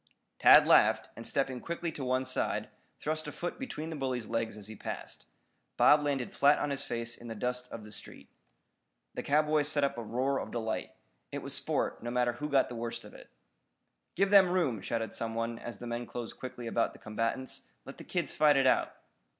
Tad laughed, and stepping quickly to one side, thrust a foot between the bully's legs as he passed. Bob landed flat on his face in the dust of the street. The cowboys set up a roar of delight. It was sport, no matter who got the worst of it. "Give them room," shouted some one, as the men closed quickly about the combatants. "Let the kids fight it out."